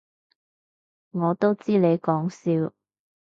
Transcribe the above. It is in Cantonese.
我都知你講笑